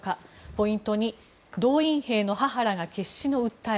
ポイント２動員兵の母らが決死の訴え。